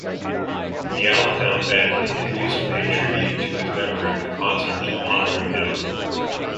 The Allentown Band continues to pay tribute to his memory with concerts honoring him.